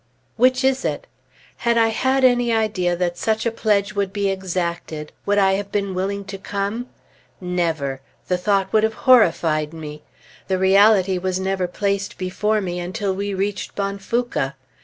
Which is it? Had I had any idea that such a pledge would be exacted, would I have been willing to come? Never! The thought would have horrified me. The reality was never placed before me until we reached Bonfouca.